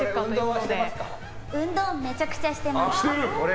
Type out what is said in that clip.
運動めちゃくちゃしてます。